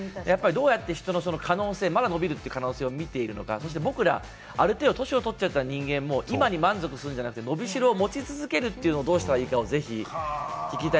どうやって人の可能性、伸びる可能性を見ているのか、僕らある程度、年をとっちゃった人間も今に満足するんじゃなくて伸びしろを持ち続けるというのをどうしたらいいかをぜひ聞きたい。